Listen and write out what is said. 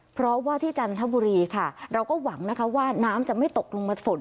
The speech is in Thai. เพราะว่าที่จันทบุรีค่ะเราก็หวังนะคะว่าน้ำจะไม่ตกลงมาฝน